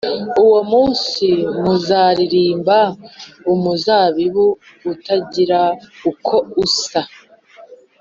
Uwo munsi, muzaririmba umuzabibu utagira uko usa: